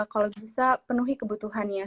kalau bisa penuhi kebutuhannya